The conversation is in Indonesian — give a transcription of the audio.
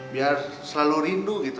biar selalu rindu gitu